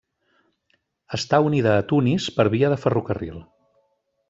Està unida a Tunis per via de ferrocarril.